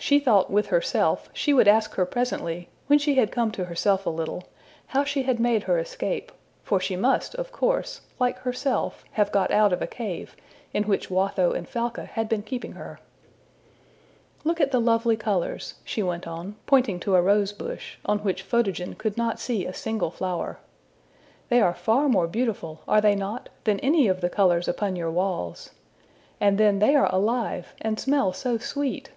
She thought with herself she would ask her presently, when she had come to herself a little, how she had made her escape, for she must, of course, like herself, have got out of a cave, in which Watho and Falca had been keeping her. ``Look at the lovely colors,'' she went on, pointing to a rose bush, on which Photogen could not see a single flower. ``They are far more beautiful are they not? than any of the colors upon your walls. And then they are alive, and smell so sweet!''